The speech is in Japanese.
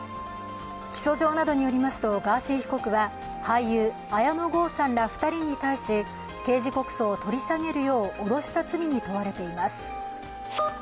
起訴状などによりますとガーシー被告は俳優・綾野剛さんら２人に対し刑事告訴を取り下げるよう脅した罪に問われています。